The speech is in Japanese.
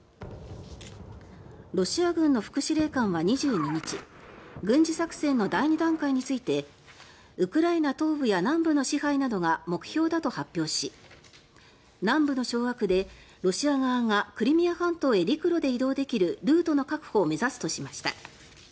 ロシア軍の副司令官は２２日軍事作戦の第２段階についてウクライナ東部や南部の支配などが目標だと発表し南部の掌握でロシア側がクリミア半島へ陸路で移動できるルートの確保を目指すとしました。